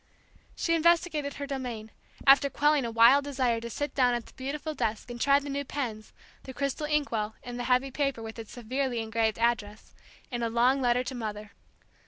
She investigated her domain, after quelling a wild desire to sit down at the beautiful desk and try the new pens, the crystal ink well, and the heavy paper, with its severely engraved address, in a long letter to Mother.